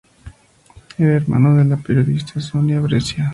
Era hermano de la periodista Sonia Breccia.